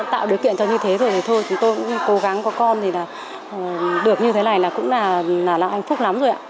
tạo điều kiện cho như thế rồi thì thôi chúng tôi cũng cố gắng có con thì là được như thế này là cũng là hạnh phúc lắm rồi ạ